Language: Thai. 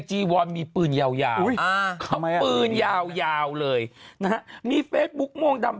จีวอนมีปืนยาวปืนยาวยาวเลยนะฮะมีเฟซบุ๊กม่วงดำ